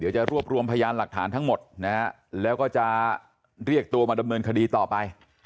จะรวบรวมพยานหลักฐานทั้งหมดนะฮะแล้วก็จะเรียกตัวมาดำเนินคดีต่อไป